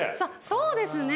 そうですね。